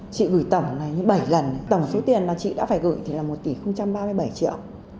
chị gửi tổng là bảy lần tổng số tiền là chị đã phải gửi thì là một tỷ ba mươi bảy triệu